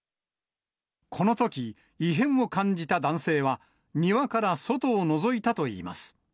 このとき、異変を感じた男性は、庭から外をのぞいたといいます。